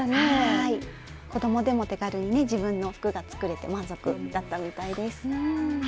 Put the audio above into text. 子どもでも手軽にね自分の服が作れて満足だったみたいです。